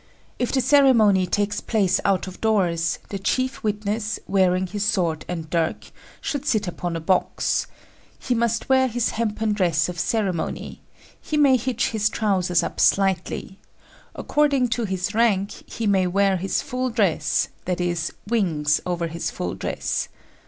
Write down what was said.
If the ceremony takes place out of doors, the chief witness, wearing his sword and dirk, should sit upon a box; he must wear his hempen dress of ceremony; he may hitch his trousers up slightly; according to his rank, he may wear his full dress that is, wings over his full dress.